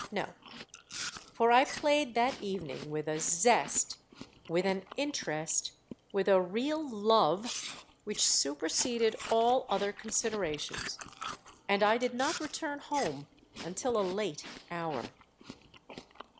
No: for I played that evening with a zest—with an interest—with a real love, which superseded all other considerations; and I did not return home until a late hour.